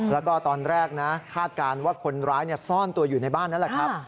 แล้วก็ตอนแรกนะคาดการณ์ว่าคนร้ายซ่อนตัวอยู่ในบ้านนั่นแหละครับ